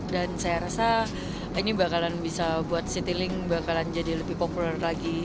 dan saya rasa ini bakalan bisa buat citylink bakalan jadi lebih populer lagi